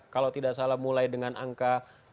kalau tidak salah mulai dengan angka